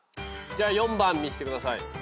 じゃ４番見してください。